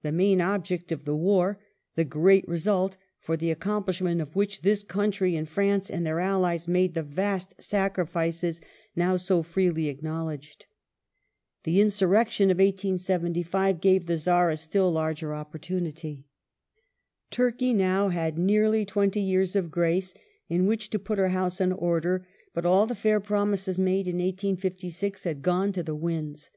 the main object of the war, the great result for the accomplishment of which this country and France and their Allies made the vast sacrifices now so freely acknowledged ".^ The insurrection of 1875 gave the Czar a still larger opportunity. Turkey had now had nearly twenty years of grace in which to Turkish put her house in order, but all the fair promises made in 1856 had ™sgov .. 1 •• f ernment gone to the winds.